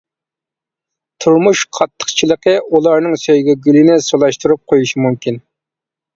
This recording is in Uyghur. تۇرمۇش قاتتىقچىلىقى ئۇلارنىڭ سۆيگۈ گۈلىنى سولاشتۇرۇپ قويۇشى مۇمكىن.